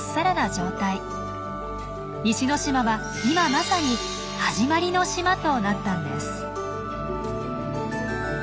西之島は今まさに「はじまりの島」となったんです。